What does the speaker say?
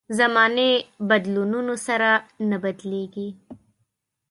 زمانې بدلونونو سره نه بدلېږي.